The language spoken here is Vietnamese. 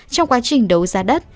trong quá trình đấu giá đất